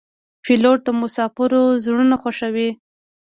پیلوټ د مسافرو زړونه خوښوي.